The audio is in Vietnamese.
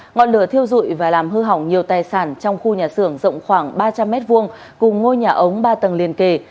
ngọn lửa thiêu dụi và làm hư hỏng nhiều tài sản trong khu nhà xưởng rộng khoảng ba trăm linh m hai cùng ngôi nhà ống ba tầng liên kề